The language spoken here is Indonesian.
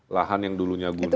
lahan yang dulunya gundul